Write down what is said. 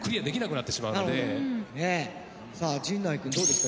陣内君どうですか？